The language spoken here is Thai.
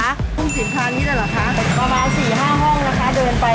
รุ่งสินพานิตเหรอคะประมาณ๔๕ห้องนะคะเดินไป